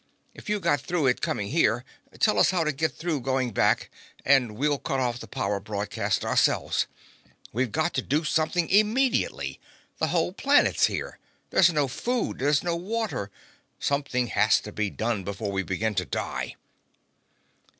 If you got through it coming here, tell us how to get through going back and we'll cut off the power broadcast ourselves! We've got to do something immediately. The whole planet's here. There's no food! There's no water! Something has to be done before we begin to die!"